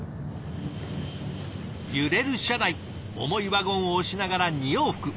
揺れる車内重いワゴンを押しながら２往復。